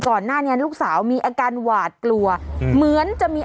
หน้าเนี้ยลูกสาวมีอาการหวาดกลัวเหมือนจะมี